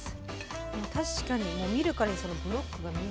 確かにもう見るからにそのブロックが見える。